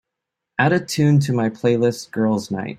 Add a tune to my playlist girls' night